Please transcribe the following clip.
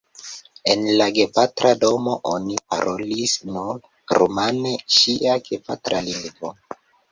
En la gepatra domo oni parolis nur rumane, ŝia gepatra lingvo.